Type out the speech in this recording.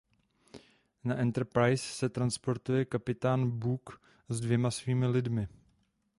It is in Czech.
Na Enterprise se transportuje kapitán Bok s dvěma svými lidmi.